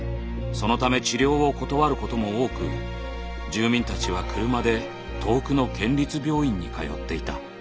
そのため治療を断ることも多く住民たちは車で遠くの県立病院に通っていた。